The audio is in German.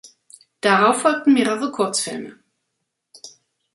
Darauf folgten mehrere Kurzfilme.